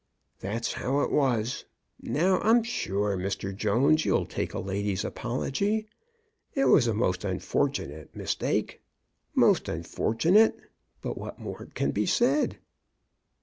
That's how it was. Now I'm sure, Mr. Jones, you'll take a lady's apology. It was a most unfortunate mistake — most unfortunate; but what more can be said